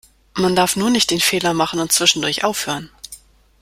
Man darf nur nicht den Fehler machen und zwischendurch aufhören.